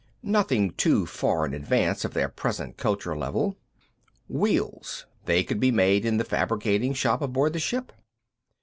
Nothing too far in advance of their present culture level. Wheels; they could be made in the fabricating shop aboard the ship.